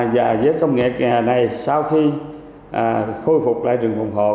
và với công nghệ này sau khi khôi phục lại rừng phùng hộp